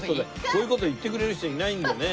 こういう事を言ってくれる人いないんでね。